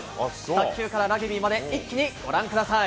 卓球からラグビーまで一気にご覧ください。